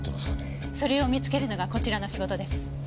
それを見つけるのがこちらの仕事です。